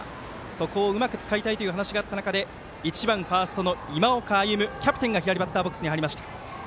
そこをうまく使いたいという話があった中で１番、ファーストの今岡歩夢キャプテンが左バッターボックスに入りました。